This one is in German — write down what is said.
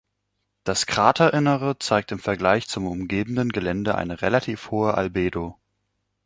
Das Kraterinnere zeigt im Vergleich zum umgebenden Gelände eine relativ hohe Albedo.